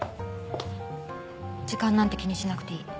時間なんて気にしなくていい。